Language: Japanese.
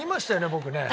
僕ね。